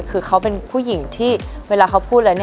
คือเขาเป็นผู้หญิงที่เวลาเขาพูดแล้ว